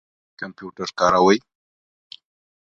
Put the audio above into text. کمپیوټر کاروئ؟